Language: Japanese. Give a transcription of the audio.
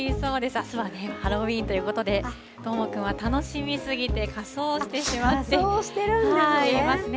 あすはハロウィーンということで、どーもくんは楽しみすぎて仮装してしまっていますね。